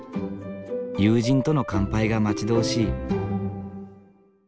友人との乾杯が待ち遠しい。